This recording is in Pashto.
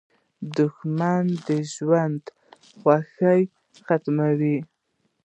• دښمني د ژوند خوښي ختموي.